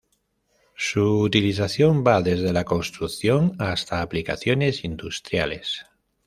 Su utilización va desde la construcción hasta aplicaciones industriales.